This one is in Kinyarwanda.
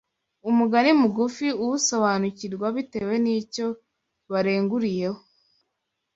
Umugani mugufi uwusobanukirwa bitewe n’icyo barenguriyeho